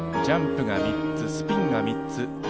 ジャンプが３つ、スピンが３つ。